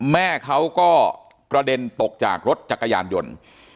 แม่เขาก็กระเด็นตกจากรถจักรยานยนต์